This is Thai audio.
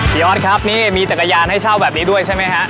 ออสครับนี่มีจักรยานให้เช่าแบบนี้ด้วยใช่ไหมฮะ